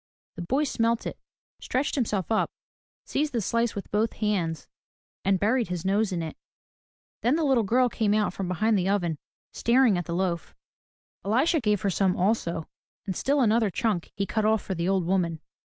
The boy smelt it, stretched himself up, seized the slice with both hands and buried his nose in it. Then the little girl came out from behind the oven, staring at the loaf. Elisha gave her some also, and still another chunk he cut off for the old woman.